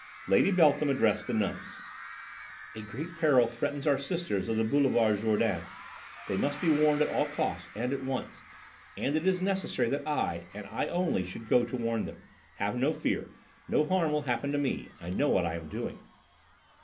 Lady Beltham addressed the nuns: "A great peril threatens our sisters of the Boulevard Jourdan. They must be warned at all costs and at once. And it is necessary that I, and I only, should go to warn them. Have no fear. No harm will happen to me. I know what I am doing."